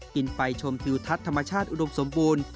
ไปชมทิวทัศน์ธรรมชาติอุดมสมบูรณ์